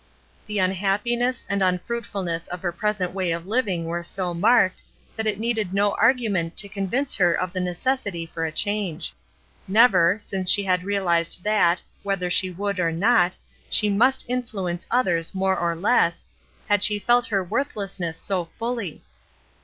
The unhappi ness and unfruitfukiess of her present way of living were so marked that it needed no argu ment to convince her of the necessity for a change. Never, since she had realized that, 218 "DELIBERATELY, AND FOREVER" 219 v/hether she would or not, she must influence others more or less, had she felt her worthless ness so fully.